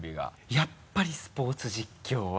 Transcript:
やっぱりスポーツ実況は。